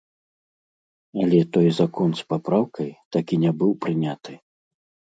Але той закон з папраўкай так і не быў прыняты.